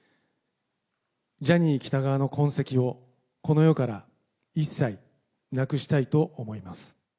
ジャニー喜多川の痕跡をこの世から一切なくしたいと思います。